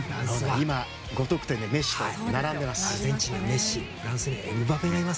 今５得点でメッシと並んでいます。